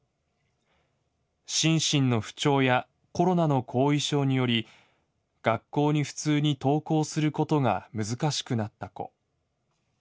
心身の不調やコロナの後遺症により学校に普通に登校することが難しくなった子。